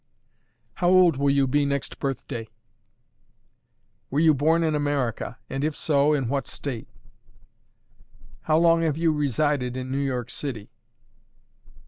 "How old will you be next birth day? "Were you born in America? and, if so, in what state? "How long have you resided in New York City?